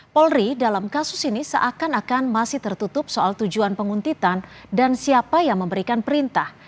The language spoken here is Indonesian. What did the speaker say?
polri dalam kasus ini seakan akan masih tertutup soal tujuan penguntitan dan siapa yang memberikan perintah